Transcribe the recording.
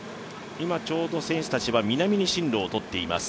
今ちょうど選手たちは南に進路をとっています。